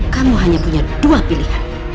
kamu hanya punya dua pilihan